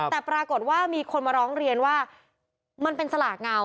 แต่ปรากฏว่ามีคนมาร้องเรียนว่ามันเป็นสลากเงา